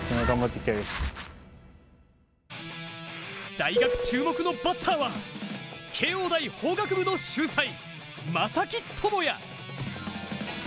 大学注目のバッターは慶応大法学部の秀才、正木智也。